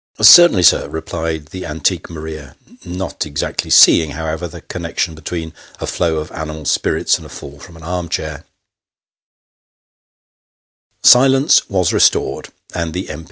" Certainly, sir," replied the antique Maria : not exactly seeing, however, the connection between a flow of animal spirits, and a fall from an arm chair. Diplomatic Arrangements. . 245 Silence was restored, and the M.